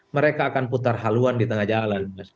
mereka akan putar haluan di tengah jalan